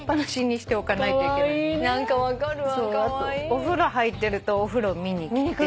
お風呂入ってるとお風呂見に来て。